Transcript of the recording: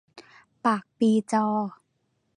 ปากปีจอ